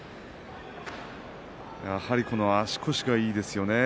やはりこの足腰がいいですよね。